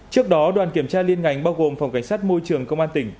trước đó đoàn kiểm tra liên ngành bao gồm phòng cảnh sát môi trường công an tỉnh